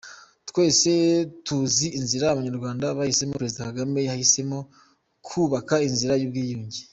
Twese tuzi inzira Abanyarwanda bahisemo, Perezida Kagame yahisemo kubaka inzira y’ubwiyunge.